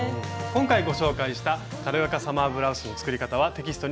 今回ご紹介した軽やかサマーブラウスの作り方はテキストに掲載されています。